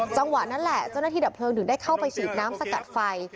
จังหวะนั้นแหละเจ้าหน้าที่ดับเพลิงถึงได้เข้าไปฉีดน้ำสกัดไฟ